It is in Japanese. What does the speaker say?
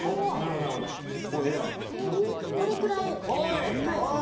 これくらい。